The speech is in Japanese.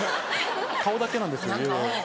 顔だけなんです。